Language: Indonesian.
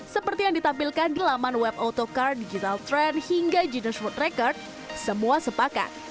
seperti yang ditampilkan di laman web autocar digital trend hingga genish wood record semua sepakat